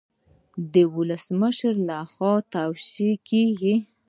دا د ولسمشر لخوا توشیح کیږي.